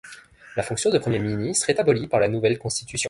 La fonction de Premier ministre est abolie par la nouvelle Constitution.